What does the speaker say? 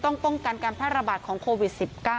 ป้องกันการแพร่ระบาดของโควิด๑๙